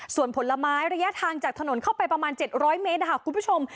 ส่วนผลไม้ระยะทางจากถนนเข้าไปประมาณ๗๐๐เมตรค่ะคุณผู้ชม